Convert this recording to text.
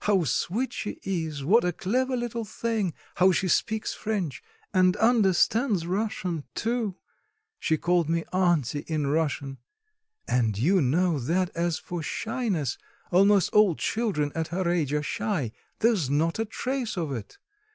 How sweet she is, what a clever little thing; how she speaks French; and understand Russian too she called me 'auntie' in Russian. And you know that as for shyness almost all children at her age are shy there's not a trace of it.